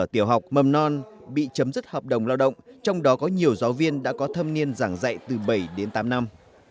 tiểu học mầm non bị chấm dứt hợp đồng lao động trong đó có nhiều giáo viên đã có thâm niên giảng dạy từ bảy đến tám năm